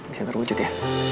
bisa terwujud ya